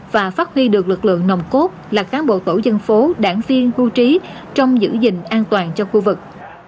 và phát huy được lực lượng nồng cốt là cán bộ tổ dân phố đảng viên khu trí trong giữ gìn an toàn cho khu vực